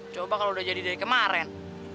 coba kalau udah jadi dari kemarin